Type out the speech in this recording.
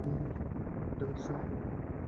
আমার ডায়বেটিস অনেক বেড়ে যায় হঠাৎ করে।